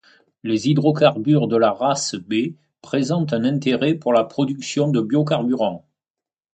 Les hydrocarbures de la race B présentent un intérêt pour la production de biocarburants.